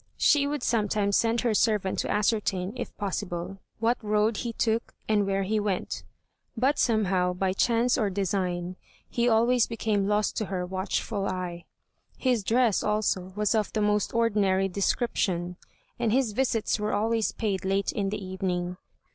She would sometimes send her servant to ascertain, if possible, what road he took, and where he went. But somehow, by chance or design, he always became lost to her watchful eye. His dress, also, was of the most ordinary description, and his visits were always paid late in the evening.